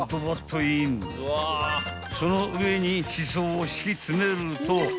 ［その上にシソを敷き詰めると］